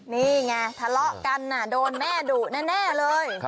นี่ไงทะเลาะกันโดนแม่ดุแน่เลย